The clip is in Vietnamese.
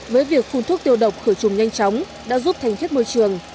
với việc phun thuốc tiêu độc khử trùng nhanh chóng đã giúp thành thiết môi trường